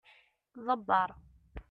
Ḍebbeṛ.